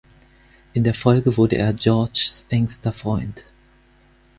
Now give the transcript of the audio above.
In der Folge wurde er Georges engster Freund.